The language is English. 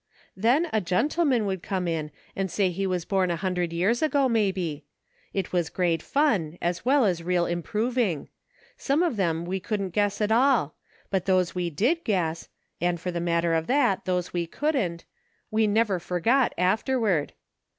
Then a gentleman would come in and say he was born a hundred years ago maybe ; it was great fun, as well as real improving ; some of them we couldn't guess at all, but those we did guess — and for the matter of that, those we couldn't — we never forgot afterward.